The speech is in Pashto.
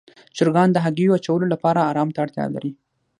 چرګان د هګیو اچولو لپاره آرام ته اړتیا لري.